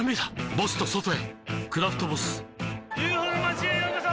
ボスと外へ「クラフトボス」ＵＦＯの町へようこそ！